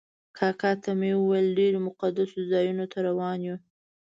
کاکا ته مې وویل ډېرو مقدسو ځایونو ته روان یو.